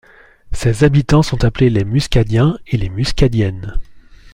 Ses habitants sont appelés les Muscadiens et les Muscadiennes.